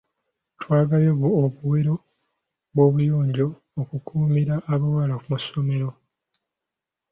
Twagabye bu obuwero bw'obuyonjo okukuumira abawala mu ssomero.